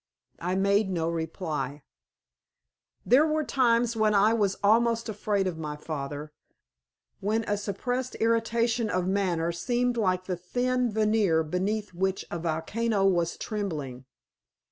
I made no reply. There were times when I was almost afraid of my father, when a suppressed irritation of manner seemed like the thin veneer beneath which a volcano was trembling.